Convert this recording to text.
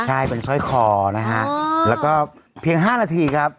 ใช่เป็นสร้อยคอนะฮะแล้วก็เพียง๕นาทีครับ